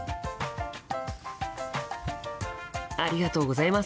ありがとうございます。